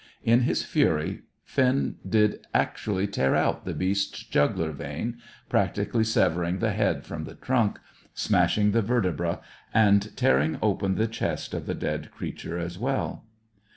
In his fury Finn did actually tear out the beast's jugular vein, practically severing the head from the trunk, smashing the vertebrae, and tearing open the chest of the dead creature as well.